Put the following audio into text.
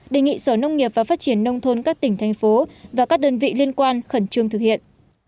đề nghị sở nông nghiệp và phát triển nông thôn các tỉnh thành phố và các đơn vị liên quan khẩn trương thực hiện